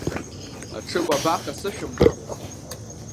Аҽыкәабаха сышәымҭо?